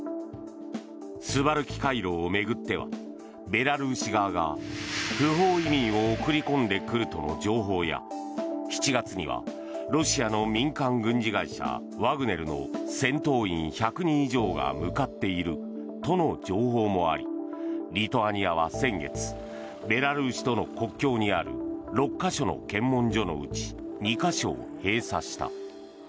スバルキ回廊を巡ってはベラルーシ側が不法移民を送り込んでくるとの情報や７月にはロシアの民間軍事会社ワグネルの戦闘員１００人以上が向かっているとの情報もありリトアニアは先月ベラルーシとの国境にある６か所の検問所のうち２か所を閉鎖した。